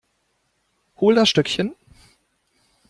Hol das Stöckchen.